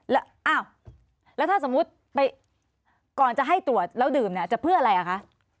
แล้วอ้าวแล้วถ้าสมมุติไปก่อนจะให้ตรวจแล้วดื่มเนี่ยจะเพื่ออะไรอ่ะคะ